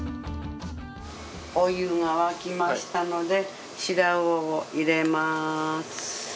お湯が沸きましたのでシラウオを入れます。